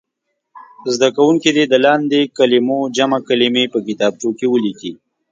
زده کوونکي دې د لاندې کلمو جمع کلمې په کتابچو کې ولیکي.